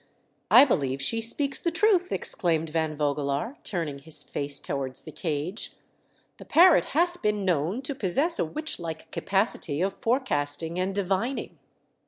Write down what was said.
"I believe she speaks the truth," exclaimed Van Vogelaar, turning his face towards the cage. " The parrot hath been known to possess a witch like capacity of forecasting and divining."